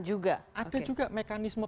juga ada juga mekanisme